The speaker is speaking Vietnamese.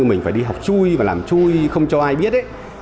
mình phải đi học chui và làm chui không cho ai biết đấy